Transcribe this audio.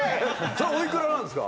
それおいくらなんですか？